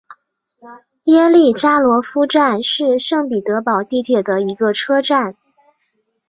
耶利扎罗夫站是圣彼得堡地铁的一个车站。